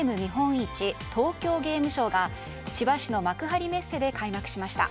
市東京ゲームショウが千葉市の幕張メッセで開幕しました。